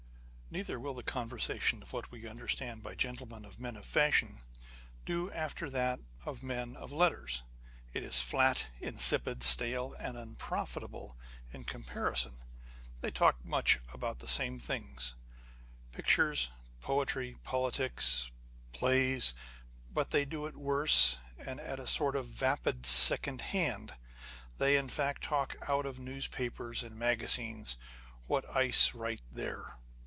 Neither will the conversation of what we understand by gentlemen and men of fashion, do after that of men of letters. It is flat, insipid, stale, and unprofitable, in the comparison. They talk about much the same things â€" pictures, poetry, politics, plays ; but they do it worse, and at a sort of vapid secondhand. They, in fact, talk out of newspapers and magazines, what ice write there.